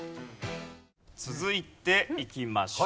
続いていきましょう。